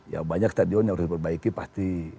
ya banyak stadion yang harus diperbaiki pasti